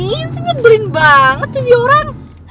itu nyebelin banget tuh dia orang